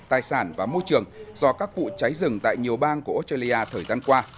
tài sản và môi trường do các vụ cháy rừng tại nhiều bang của australia thời gian qua